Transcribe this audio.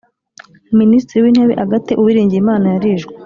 Minisitiri w’intebe Agathe Uwiringiyimana yarishwe